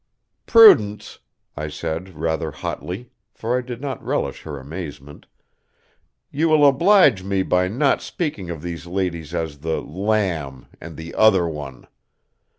"Prudence," I said rather hotly, for I did not relish her amazement, "you will oblige me by not speaking of these ladies as the 'lamb' and 'the other one.'